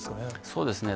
そうですね。